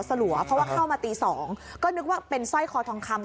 สลัวเพราะว่าเข้ามาตี๒ก็นึกว่าเป็นสร้อยคอทองคำ